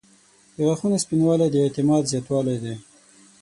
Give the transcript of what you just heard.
• د غاښونو سپینوالی د اعتماد زیاتوالی دی.